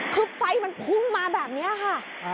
คือไฟมันพุ่งมาแบบนี้ค่ะ